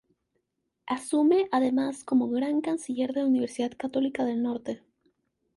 Asume además como Gran Canciller de la Universidad Católica del Norte